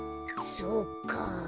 そうか。